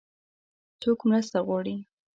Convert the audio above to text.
څوک مرسته غواړي؟